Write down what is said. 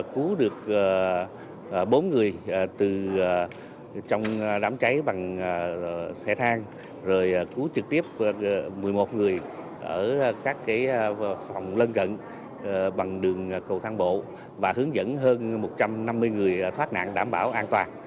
cứu được bốn người từ trong đám cháy bằng xe thang rồi cứu trực tiếp một mươi một người ở các phòng lân cận bằng đường cầu thang bộ và hướng dẫn hơn một trăm năm mươi người thoát nạn đảm bảo an toàn